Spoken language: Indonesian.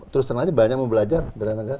terus semuanya banyak mau belajar bela negara